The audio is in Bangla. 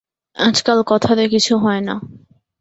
আজকাল কথাতে কিছু হয় না।